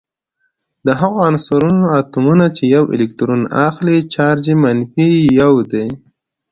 د هغو عنصرونو اتومونه چې یو الکترون اخلي چارج یې منفي یو دی.